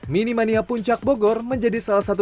mini mania puncak bogor menjadi salah satu